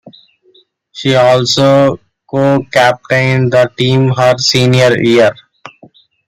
She also co-captained the team her senior year.